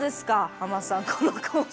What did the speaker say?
ハマさんこのコース。